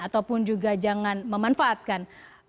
ataupun juga jangan memanfaatkan